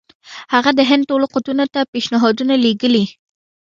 هغه د هند ټولو قوتونو ته پېشنهادونه لېږلي.